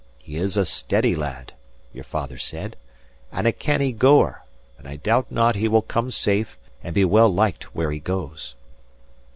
He is a steady lad,' your father said, 'and a canny goer; and I doubt not he will come safe, and be well lived where he goes.